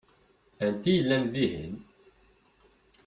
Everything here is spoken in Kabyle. Anta i yellan dihin?